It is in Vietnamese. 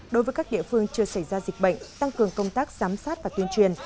đối với các địa phương chưa xảy ra dịch bệnh tăng cường công tác giám sát và tuyên truyền